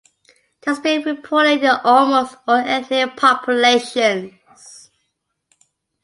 It has been reported in almost all ethnic populations.